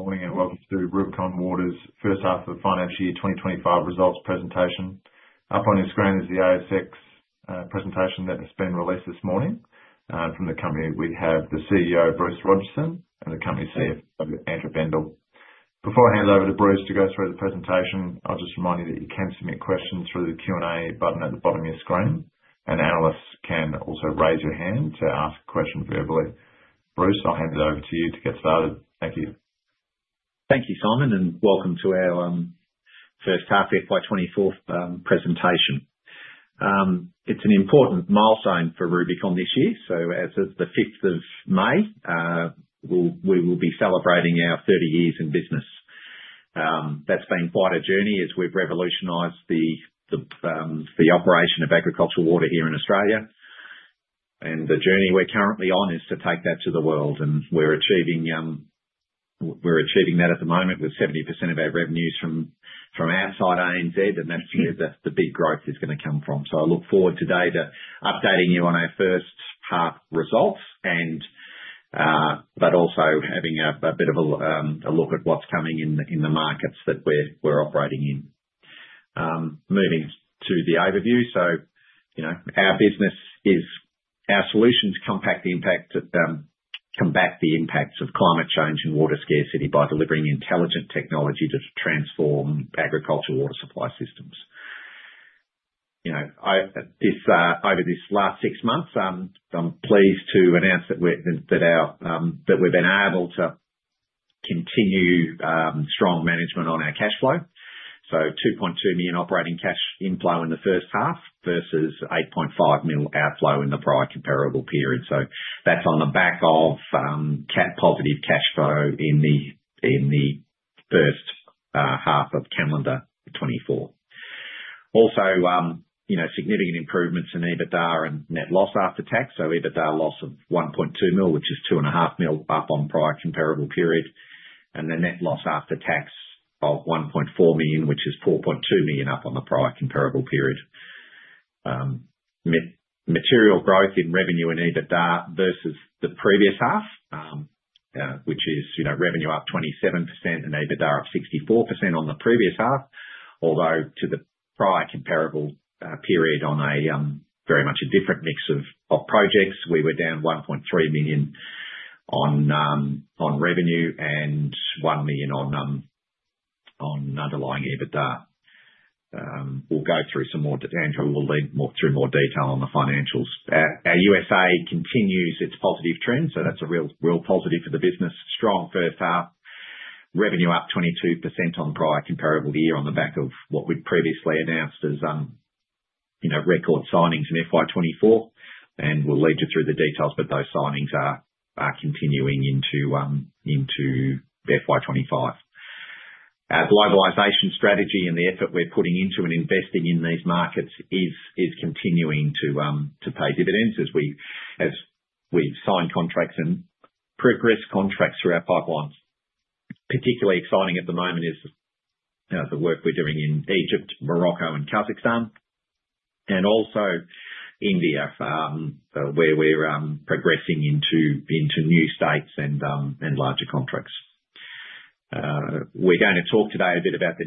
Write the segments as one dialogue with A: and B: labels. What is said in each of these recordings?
A: Morning and welcome to Rubicon Water's first half of the financial year 2025 results presentation. Up on your screen is the ASX presentation that has been released this morning from the company. We have the CEO, Bruce Rodgerson, and the company CFO, Andrew Bandel. Before I hand over to Bruce to go through the presentation, I'll just remind you that you can submit questions through the Q&A button at the bottom of your screen, and analysts can also raise your hand to ask a question verbally. Bruce, I'll hand it over to you to get started. Thank you.
B: Thank you, Simon, and welcome to our first half of FY24 presentation. It's an important milestone for Rubicon this year, so as of the 5th of May, we will be celebrating our 30 years in business. That's been quite a journey as we've revolutionized the operation of agricultural water here in Australia, and the journey we're currently on is to take that to the world, and we're achieving that at the moment with 70% of our revenues from outside ANZ, and that's where the big growth is going to come from, so I look forward today to updating you on our first half results, but also having a bit of a look at what's coming in the markets that we're operating in. Moving to the overview. Our business is our solutions combat the impacts of climate change and water scarcity by delivering intelligent technology to transform agricultural water supply systems. Over this last six months, I'm pleased to announce that we've been able to continue strong management on our cash flow. 2.2 million operating cash inflow in the first half versus 8.5 million outflow in the prior comparable period. That's on the back of capex positive cash flow in the first half of calendar 2024. Also, significant improvements in EBITDA and net loss after tax. EBITDA loss of 1.2 million, which is 2.5 million up on prior comparable period, and the net loss after tax of 1.4 million, which is 4.2 million up on the prior comparable period. Material growth in revenue and EBITDA versus the previous half, which is revenue up 27% and EBITDA up 64% on the previous half, although to the prior comparable period on a very much different mix of projects, we were down 1.3 million on revenue and 1 million on underlying EBITDA. We'll go through some more detail. Andrew will lead through more detail on the financials. Our USA continues its positive trend, so that's a real positive for the business. Strong first half, revenue up 22% on prior comparable year on the back of what we previously announced as record signings in FY24, and we'll lead you through the details, but those signings are continuing into FY25. Our globalization strategy and the effort we're putting into and investing in these markets is continuing to pay dividends as we've signed contracts and progressed contracts through our pipelines. Particularly exciting at the moment is the work we're doing in Egypt, Morocco, and Kazakhstan, and also India, where we're progressing into new states and larger contracts. We're going to talk today a bit about the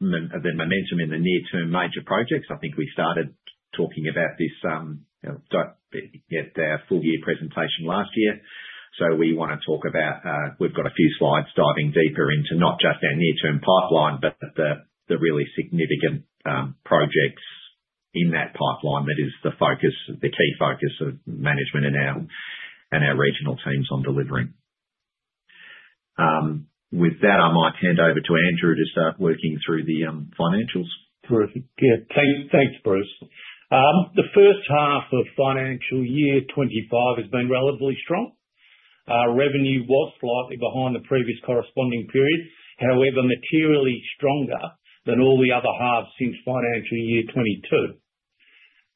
B: momentum in the near-term major projects. I think we started talking about this at our full year presentation last year. So, we want to talk about we've got a few slides diving deeper into not just our near-term pipeline, but the really significant projects in that pipeline that is the focus, the key focus of management and our regional teams on delivering. With that, I might hand over to Andrew to start working through the financials. Terrific. Yeah, thanks, Bruce. The first half of financial year 25 has been relatively strong. Our revenue was slightly behind the previous corresponding period, however, materially stronger than all the other halves since financial year 22.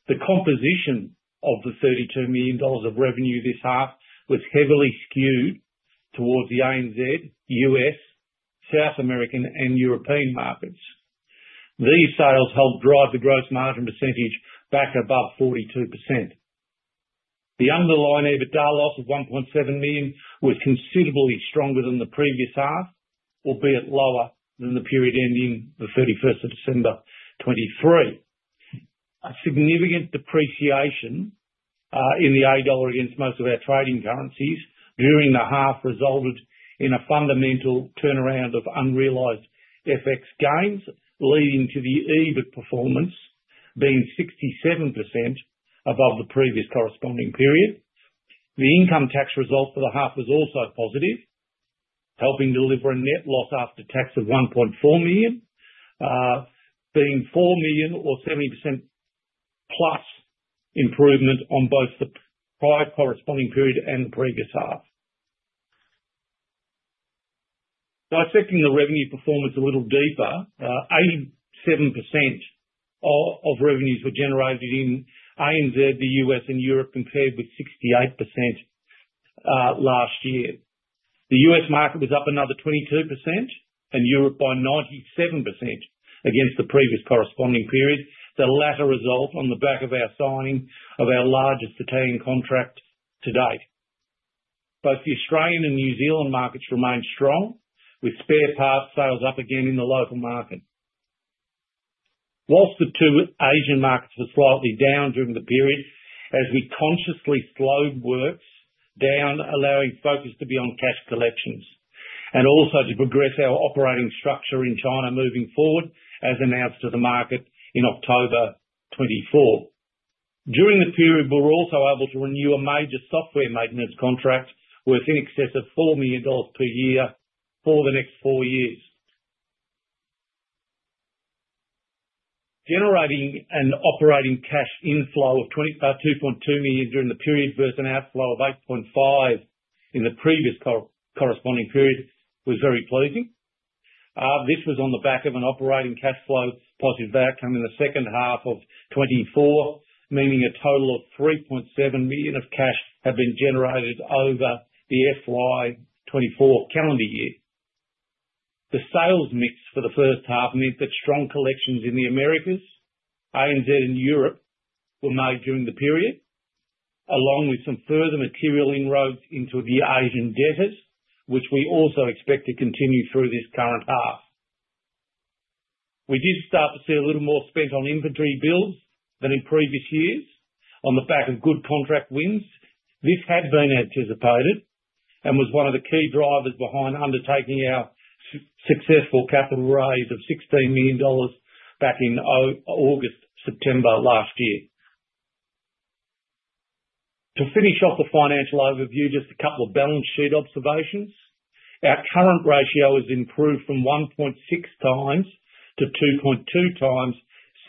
B: The composition of the 32 million dollars of revenue this half was heavily skewed towards the ANZ, US, South American, and European markets. These sales helped drive the gross margin percentage back above 42%. The underlying EBITDA loss of 1.7 million was considerably stronger than the previous half, albeit lower than the period ending the 31st of December 2023. A significant depreciation in the AUD against most of our trading currencies during the half resulted in a fundamental turnaround of unrealized FX gains, leading to the EBIT performance being 67% above the previous corresponding period. The income tax result for the half was also positive, helping deliver a net loss after tax of 1.4 million, being 4 million or 70% plus improvement on both the prior corresponding period and the previous half. Dissecting the revenue performance a little deeper, 87% of revenues were generated in ANZ, the U.S., and Europe compared with 68% last year. The U.S. market was up another 22% and Europe by 97% against the previous corresponding period, the latter result on the back of our signing of our largest Italian contract to date. Both the Australian and New Zealand markets remained strong, with spare parts sales up again in the local market. While the two Asian markets were slightly down during the period, as we consciously slowed work down, allowing focus to be on cash collections and also to progress our operating structure in China moving forward, as announced to the market in October 2024. During the period, we were also able to renew a major software maintenance contract worth in excess of 4 million dollars per year for the next four years. Generating an operating cash inflow of 2.2 million during the period versus an outflow of 8.5 million in the previous corresponding period was very pleasing. This was on the back of an operating cash flow positive outcome in the second half of 2024, meaning a total of 3.7 million of cash had been generated over the FY2024 calendar year. The sales mix for the first half meant that strong collections in the Americas, ANZ, and Europe were made during the period, along with some further material inroads into the Asian debtors, which we also expect to continue through this current half. We did start to see a little more spent on inventory bills than in previous years on the back of good contract wins. This had been anticipated and was one of the key drivers behind undertaking our successful capital raise of 16 million dollars back in August, September last year. To finish off the financial overview, just a couple of balance sheet observations. Our current ratio has improved from 1.6 times to 2.2 times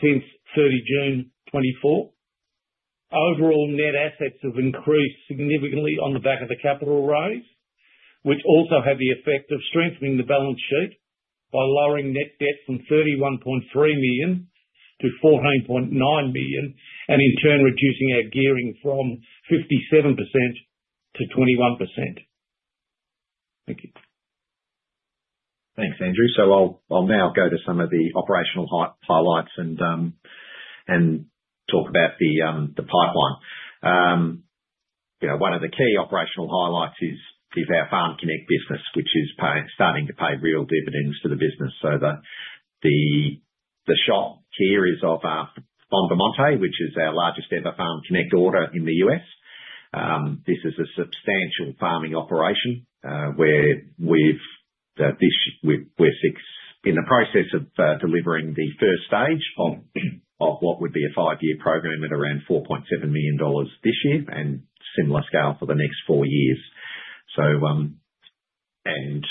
B: since 30 June 2024. Overall, net assets have increased significantly on the back of the capital raise, which also had the effect of strengthening the balance sheet by lowering net debt from 31.3 million to 14.9 million and in turn reducing our gearing from 57% to 21%. Thank you. Thanks, Andrew. I'll now go to some of the operational highlights and talk about the pipeline. One of the key operational highlights is our FarmConnect business, which is starting to pay real dividends to the business. The shot here is of Bonnymede, which is our largest ever FarmConnect order in the US. This is a substantial farming operation where we're in the process of delivering the first stage of what would be a five-year program at around $4.7 million this year and similar scale for the next four years. And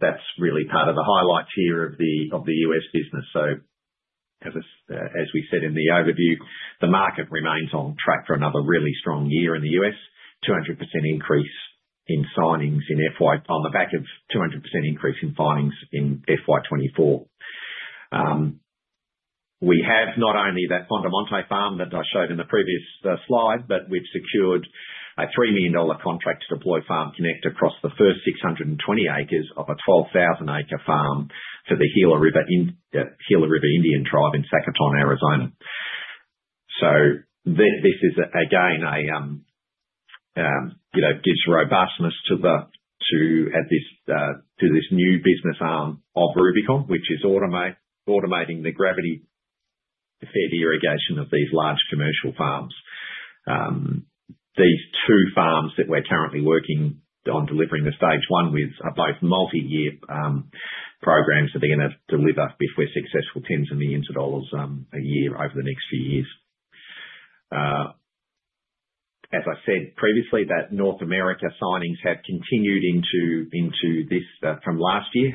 B: that's really part of the highlights here of the US business. As we said in the overview, the market remains on track for another really strong year in the US, 200% increase in signings on the back of 200% increase in signings in FY24. We have not only that Bonnymede farm that I showed in the previous slide, but we've secured a $3 million contract to deploy FarmConnect across the first 620 acres of a 12,000-acre farm to the Gila River Indian Tribe in Sacaton, Arizona. This again gives robustness to this new business arm of Rubicon, which is automating the gravity-fed irrigation of these large commercial farms. These two farms that we're currently working on delivering the stage one with are both multi-year programs that are going to deliver, if we're successful, tens of millions of dollars a year over the next few years. As I said previously, that North America signings have continued into this year from last year,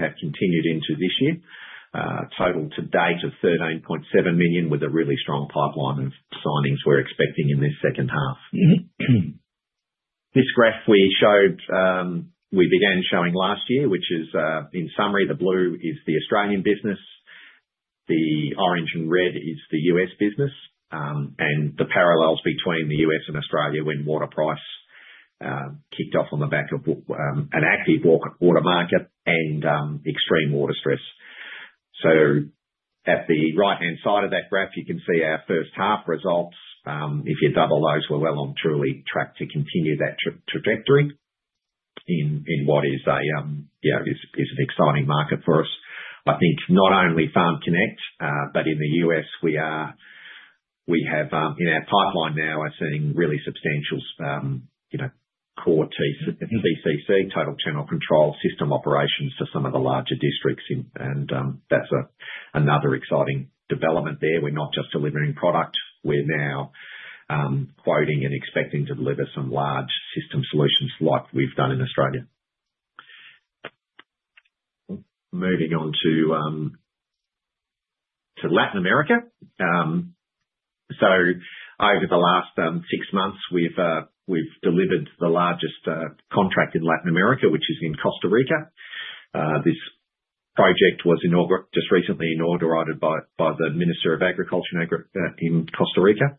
B: total to date of $13.7 million with a really strong pipeline of signings we're expecting in this second half. This graph we showed, we began showing last year, which is in summary, the blue is the Australian business, the orange and red is the U.S. business, and the parallels between the U.S. and Australia when water price kicked off on the back of an active water market and extreme water stress. So, at the right-hand side of that graph, you can see our first half results. If you double those, we're well on track to continue that trajectory in what is an exciting market for us. I think not only FarmConnect, but in the U.S., we have in our pipeline now, I'm seeing really substantial core TCC, Total Channel Control System operations for some of the larger districts, and that's another exciting development there. We're not just delivering product. We're now quoting and expecting to deliver some large system solutions like we've done in Australia. Moving on to Latin America. So, over the last six months, we've delivered the largest contract in Latin America, which is in Costa Rica. This project was just recently inaugurated by the Minister of Agriculture in Costa Rica.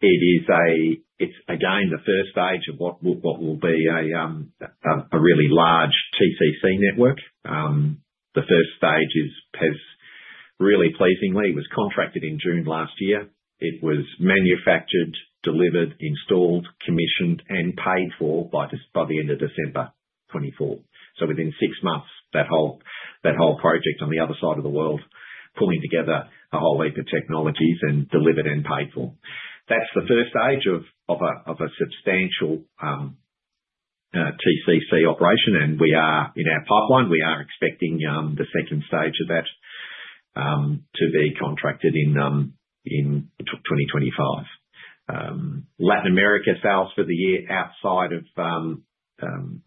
B: It is, again, the first stage of what will be a really large TCC network. The first stage has really pleasingly was contracted in June last year. It was manufactured, delivered, installed, commissioned, and paid for by the end of December 2024. So, within six months, that whole project on the other side of the world, pulling together a whole heap of technologies and delivered and paid for. That's the first stage of a substantial TCC operation, and we are in our pipeline. We are expecting the second stage of that to be contracted in 2025. Latin America sales for the year outside of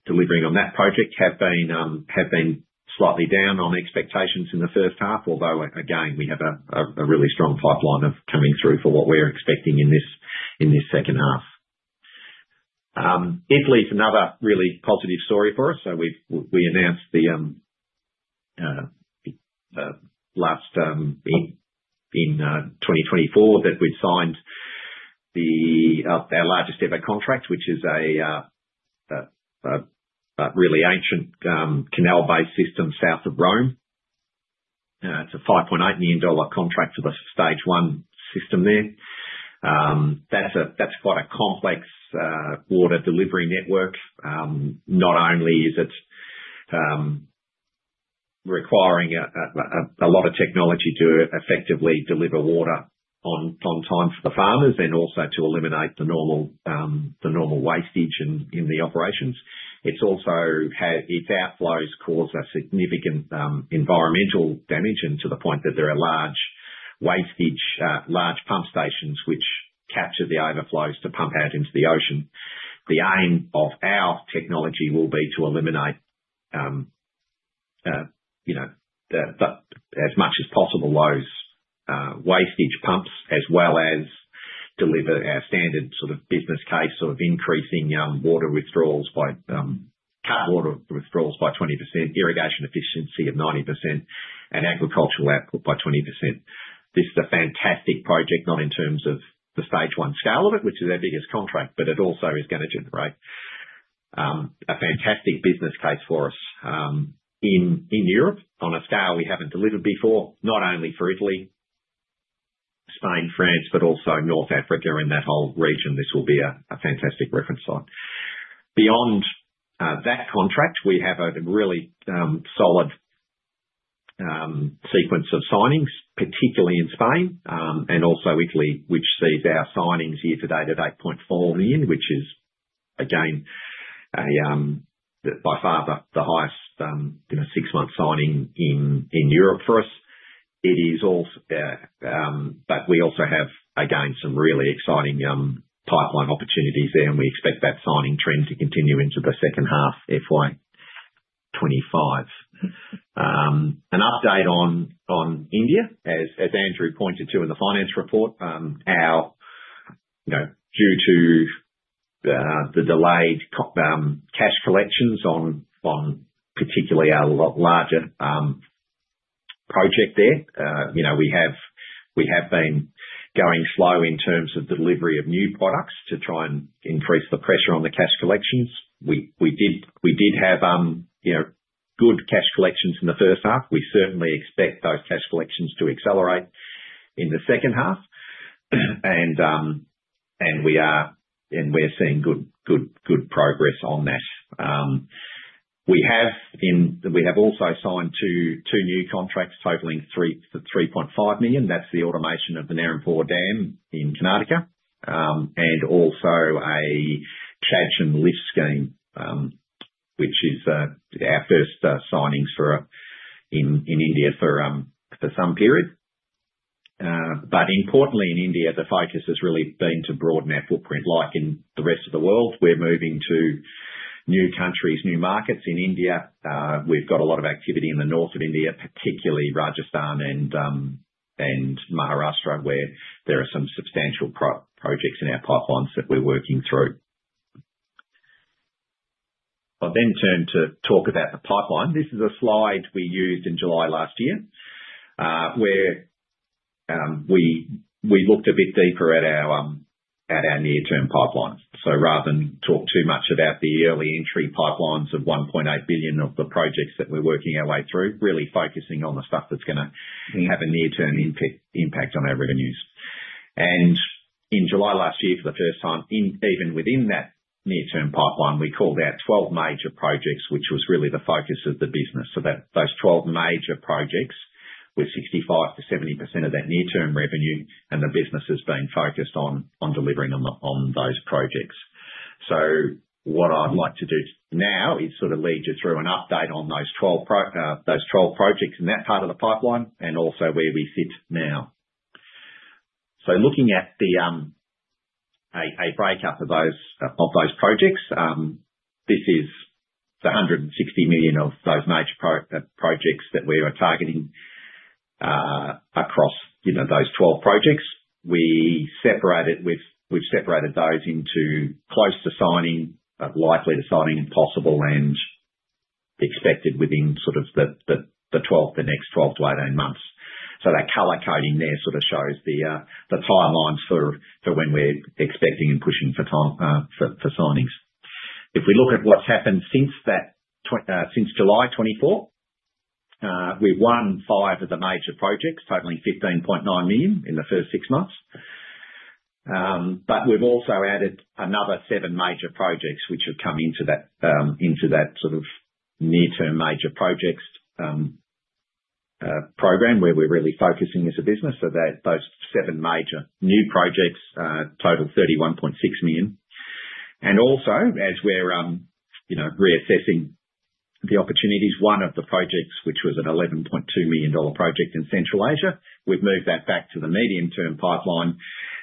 B: delivering on that project have been slightly down on expectations in the first half, although, again, we have a really strong pipeline of coming through for what we're expecting in this second half. Italy is another really positive story for us. So, we announced the last in 2024 that we've signed our largest ever contract, which is a really ancient canal-based system south of Rome. It's a 5.8 million dollar contract for the stage one system there. That's quite a complex water delivery network. Not only is it requiring a lot of technology to effectively deliver water on time for the farmers and also to eliminate the normal wastage in the operations, it's also had its outflows cause a significant environmental damage and to the point that there are large wastage, large pump stations, which capture the overflows to pump out into the ocean. The aim of our technology will be to eliminate as much as possible those wastage pumps as well as deliver our standard sort of business case of increasing water withdrawals by cutting water withdrawals by 20%, irrigation efficiency of 90%, and agricultural output by 20%. This is a fantastic project, not in terms of the stage one scale of it, which is our biggest contract, but it also is going to generate a fantastic business case for us in Europe on a scale we haven't delivered before, not only for Italy, Spain, France, but also North Africa and that whole region. This will be a fantastic reference site. Beyond that contract, we have a really solid sequence of signings, particularly in Spain and also Italy, which sees our signings year to date at 8.4 million, which is, again, by far the highest six-month signing in Europe for us. But we also have, again, some really exciting pipeline opportunities there, and we expect that signing trend to continue into the second half FY25. An update on India, as Andrew pointed to in the finance report, due to the delayed cash collections on particularly our larger project there, we have been going slow in terms of delivery of new products to try and increase the pressure on the cash collections. We did have good cash collections in the first half. We certainly expect those cash collections to accelerate in the second half, and we are seeing good progress on that. We have also signed two new contracts totaling 3.5 million. That's the automation of the Narayanpur Dam in Karnataka and also a Chadchan lift scheme, which is our first signings in India for some period. But importantly, in India, the focus has really been to broaden our footprint like in the rest of the world. We're moving to new countries, new markets in India. We've got a lot of activity in the north of India, particularly Rajasthan and Maharashtra, where there are some substantial projects in our pipelines that we're working through. I'll then turn to talk about the pipeline. This is a slide we used in July last year where we looked a bit deeper at our near-term pipelines. So, rather than talk too much about the early entry pipelines of 1.8 billion of the projects that we're working our way through, really focusing on the stuff that's going to have a near-term impact on our revenues, and in July last year, for the first time, even within that near-term pipeline, we called out 12 major projects, which was really the focus of the business, so those 12 major projects were 65%-70% of that near-term revenue, and the business has been focused on delivering on those projects. So, what I'd like to do now is sort of lead you through an update on those 12 projects in that part of the pipeline and also where we sit now. So, looking at a breakup of those projects, this is the 160 million of those major projects that we were targeting across those 12 projects. We separated those into close to signing, likely to signing, and possible and expected within sort of the next 12 to 18 months. So, that color coding there sort of shows the timelines for when we're expecting and pushing for signings. If we look at what's happened since July 24, we've won five of the major projects, totaling 15.9 million in the first six months. But we've also added another seven major projects, which have come into that sort of near-term major projects program where we're really focusing as a business. Those seven major new projects total 31.6 million. And also, as we're reassessing the opportunities, one of the projects, which was an 11.2 million dollar project in Central Asia, we've moved that back to the medium-term pipeline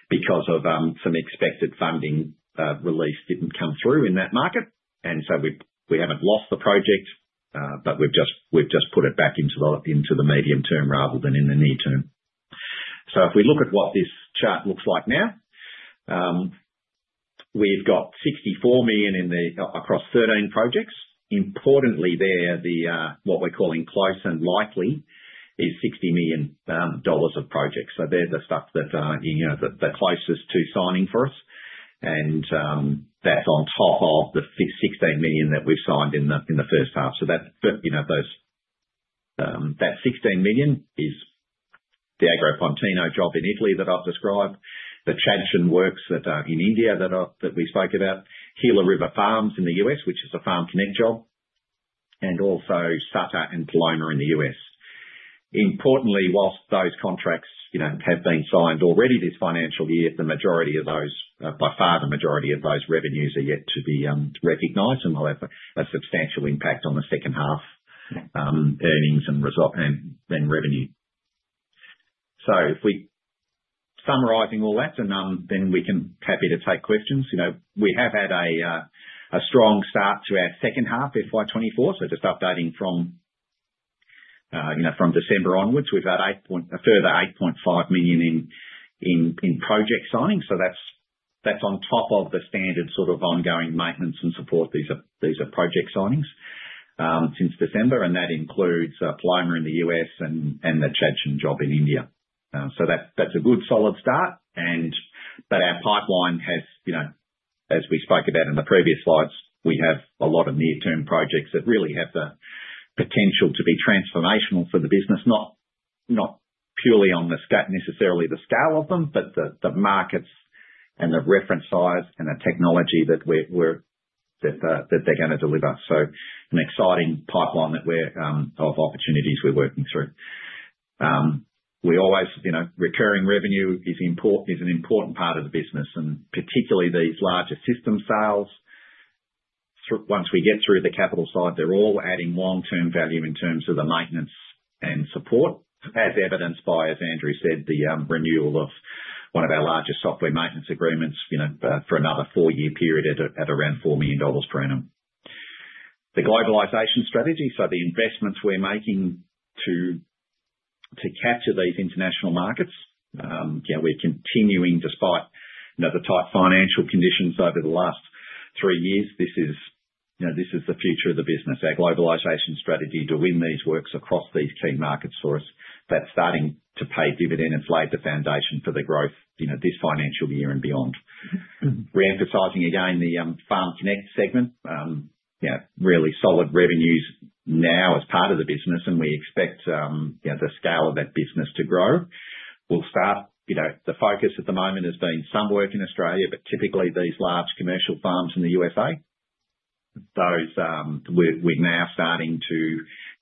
B: because of some expected funding release didn't come through in that market. And so, we haven't lost the project, but we've just put it back into the medium term rather than in the near term. So, if we look at what this chart looks like now, we've got 64 million across 13 projects. Importantly, there, what we're calling close and likely is 60 million dollars of projects. So, they're the stuff that are the closest to signing for us, and that's on top of the 16 million that we've signed in the first half. That 16 million is the Agro Pontino job in Italy that I've described, the Chadchan works that are in India that we spoke about, Gila River Farms in the US, which is a FarmConnect job, and also Sutter and Paloma in the US. Importantly, while those contracts have been signed already this financial year, the majority of those, by far the majority of those revenues are yet to be recognized and will have a substantial impact on the second half earnings and revenue. If we're summarizing all that, then we're happy to take questions. We have had a strong start to our second half FY24. Just updating from December onwards, we've had a further 8.5 million in project signings. That's on top of the standard sort of ongoing maintenance and support. These are project signings since December, and that includes Paloma in the U.S. and the Chadchan job in India. So, that's a good solid start. But our pipeline has, as we spoke about in the previous slides, we have a lot of near-term projects that really have the potential to be transformational for the business, not purely on necessarily the scale of them, but the markets and the reference size and the technology that they're going to deliver. So, an exciting pipeline of opportunities we're working through. Recurring revenue is an important part of the business, and particularly these larger system sales. Once we get through the capital side, they're all adding long-term value in terms of the maintenance and support, as evidenced by, as Andrew said, the renewal of one of our largest software maintenance agreements for another four-year period at around 4 million dollars per annum. The globalization strategy, so the investments we're making to capture these international markets, we're continuing despite the tight financial conditions over the last three years. This is the future of the business, our globalization strategy to win these works across these key markets for us that's starting to pay dividends. It's laid the foundation for the growth this financial year and beyond. Reemphasizing again the FarmConnect segment, really solid revenues now as part of the business, and we expect the scale of that business to grow. Well, the focus at the moment has been some work in Australia, but typically these large commercial farms in the USA, we're now starting to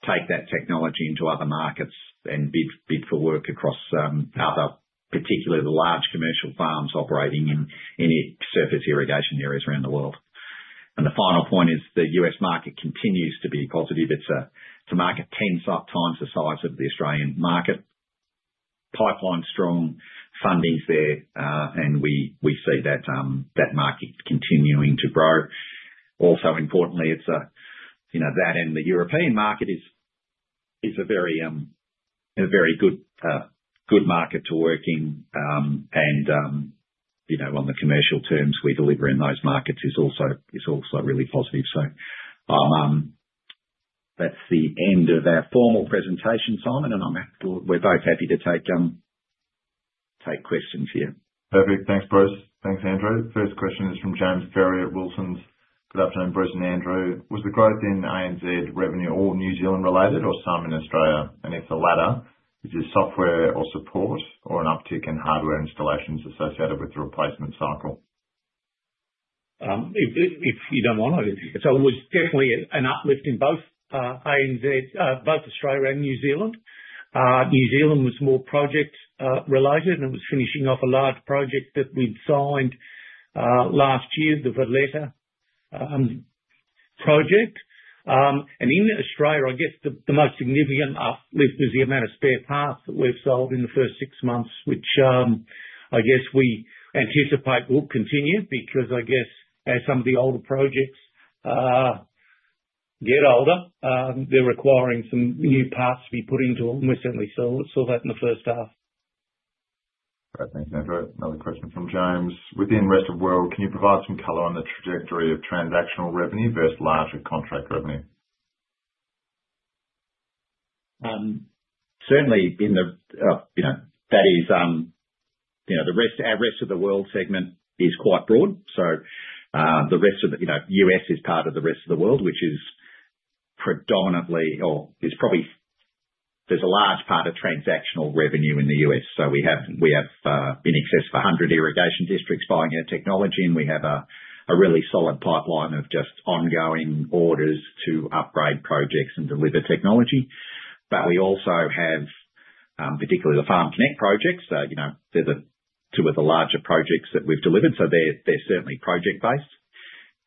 B: take that technology into other markets and bid for work across other, particularly the large commercial farms operating in surface irrigation areas around the world. And the final point is the US market continues to be positive. It's a market 10 times the size of the Australian market, pipeline strong, fundings there, and we see that market continuing to grow. Also, importantly, it's that and the European market is a very good market to work in, and on the commercial terms, we deliver in those markets is also really positive. So, that's the end of our formal presentation, Simon, and we're both happy to take questions here. Perfect. Thanks, Bruce. Thanks, Andrew. First question is from James Ferrier at Wilsons. Good afternoon, Bruce and Andrew. Was the growth in ANZ revenue all New Zealand-related or some in Australia? And if the latter, is it software or support or an uptick in hardware installations associated with the replacement cycle? If you don't mind, I think. So it was definitely an uplift in both Australia and New Zealand. New Zealand was more project-related, and it was finishing off a large project that we'd signed last year, the Valetta project. In Australia, I guess the most significant uplift was the amount of spare parts that we've sold in the first six months, which I guess we anticipate will continue because I guess as some of the older projects get older, they're requiring some new parts to be put into them. We certainly saw that in the first half. Great. Thanks, Andrew. Another question from James. Within the rest of the world, can you provide some color on the trajectory of transactional revenue versus larger contract revenue? Certainly, that is, the rest of the world segment is quite broad. So the rest of the US is part of the rest of the world, which is predominantly, or there's a large part of transactional revenue in the US. So we have in excess of 100 irrigation districts buying our technology, and we have a really solid pipeline of just ongoing orders to upgrade projects and deliver technology. But we also have, particularly the FarmConnect projects, they're two of the larger projects that we've delivered. So they're certainly project-based.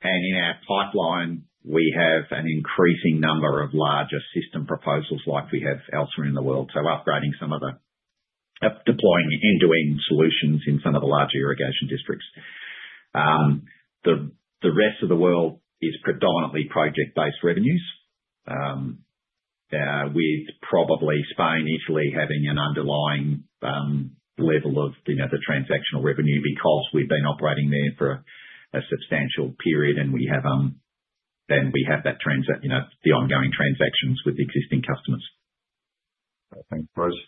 B: And in our pipeline, we have an increasing number of larger system proposals like we have elsewhere in the world. So, upgrading some of the deploying end-to-end solutions in some of the larger irrigation districts. The rest of the world is predominantly project-based revenues, with probably Spain, Italy having an underlying level of the transactional revenue because we've been operating there for a substantial period, and then we have that the ongoing transactions with existing customers. Great. Thanks, Bruce.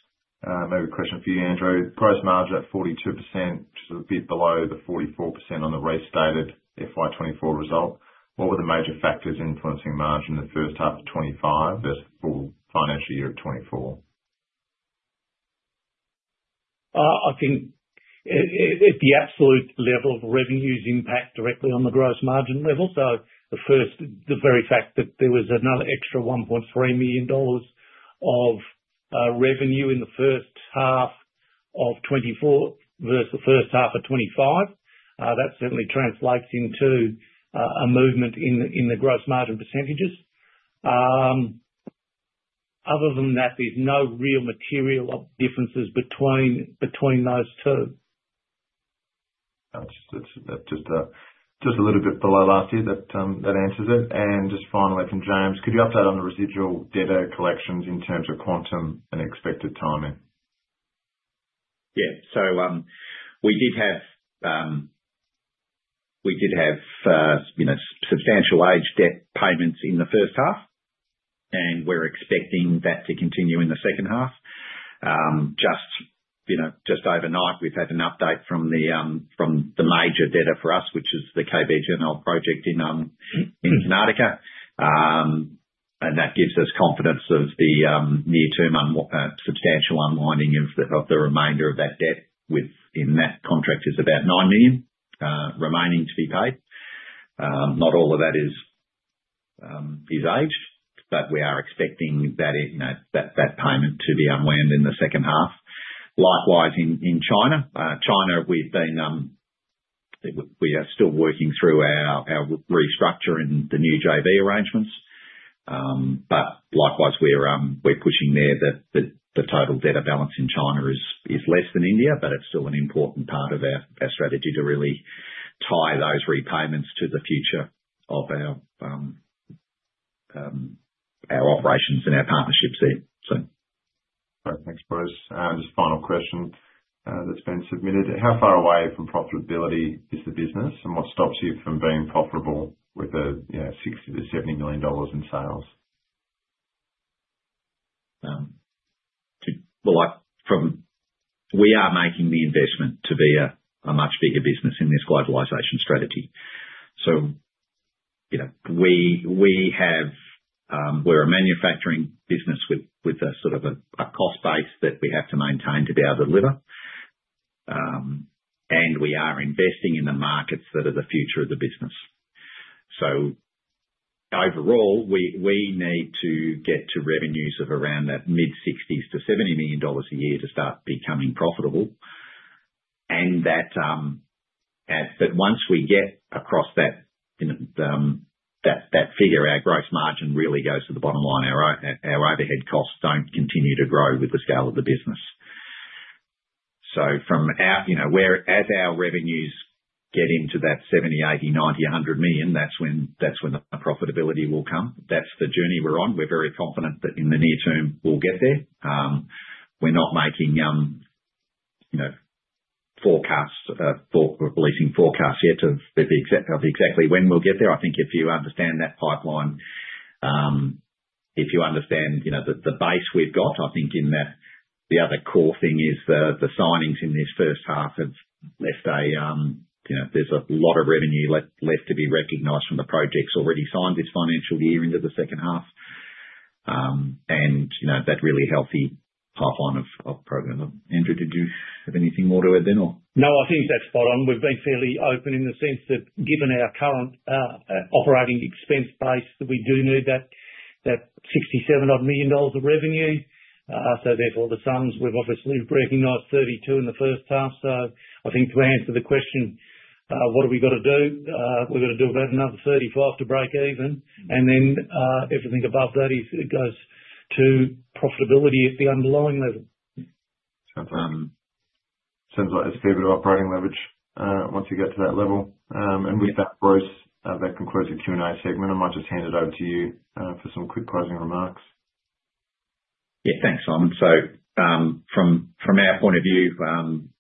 B: Another question for you, Andrew. Gross margin at 42%, which is a bit below the 44% on the restated FY24 result. What were the major factors influencing margin in the first half of 2025 versus the full financial year of 2024? I think at the absolute level of revenues impact directly on the gross margin level. So the very fact that there was another extra 1.3 million dollars of revenue in the first half of 2024 versus the first half of 2025, that certainly translates into a movement in the gross margin percentages. Other than that, there's no real material differences between those two. That's just a little bit below last year that answers it. And just finally, from James, could you update on the residual debtor collections in terms of quantum and expected timing? Yeah.
C: So we did have substantial aged debt payments in the first half, and we're expecting that to continue in the second half. Just overnight, we've had an update from the major debtor for us, which is the KBJNL project in Karnataka, and that gives us confidence of the near-term substantial unwinding of the remainder of that debt. Within that contract is about 9 million remaining to be paid. Not all of that is aged, but we are expecting that payment to be unwound in the second half. Likewise, in China, we are still working through our restructure in the new JV arrangements. But likewise, we're pushing there that the total debtor balance in China is less than India, but it's still an important part of our strategy to really tie those repayments to the future of our operations and our partnerships there, so. Great. Thanks, Bruce.
B: Just final question that's been submitted. How far away from profitability is the business, and what stops you from being profitable with a 60-70 million dollars in sales? Well, we are making the investment to be a much bigger business in this globalization strategy. So we're a manufacturing business with a sort of a cost base that we have to maintain to be able to deliver, and we are investing in the markets that are the future of the business. So overall, we need to get to revenues of around that mid-60s to 70 million dollars a year to start becoming profitable. And that once we get across that figure, our gross margin really goes to the bottom line. Our overhead costs don't continue to grow with the scale of the business. So as our revenues get into that 70, 80, 90, 100 million, that's when the profitability will come. That's the journey we're on. We're very confident that in the near term we'll get there. We're not making or releasing forecasts yet of exactly when we'll get there. I think if you understand that pipeline, if you understand the base we've got, I think the other core thing is the signings in this first half have left there's a lot of revenue left to be recognized from the projects already signed this financial year into the second half. And that really healthy pipeline of program. Andrew, did you have anything more to add then, or? No, I think that's spot on. We've been fairly open in the sense that given our current operating expense base, we do need that 67 million dollars of revenue. So therefore, the sums, we've obviously recognized 32 million in the first half. So I think to answer the question, what have we got to do? We've got to do about another 35 to break even. And then everything above that goes to profitability at the underlying level. Sounds like there's a fair bit of operating leverage once you get to that level. And with that, Bruce, that concludes the Q&A segment. I might just hand it over to you for some quick closing remarks. Yeah. Thanks, Simon. So from our point of view,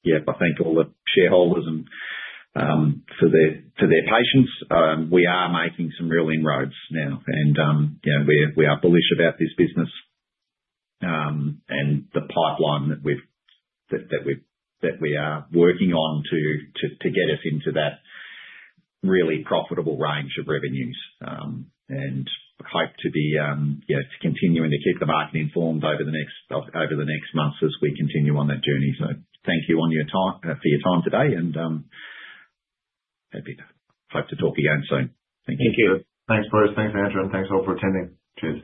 B: yeah, I thank all the shareholders for their patience. We are making some real inroads now, and we are bullish about this business and the pipeline that we are working on to get us into that really profitable range of revenues and hope to be continuing to keep the market informed over the next months as we continue on that journey. So thank you for your time today, and hope to talk again soon. Thank you. Thank you. Thanks, Bruce. Thanks, Andrew. Thanks all for attending. Cheers.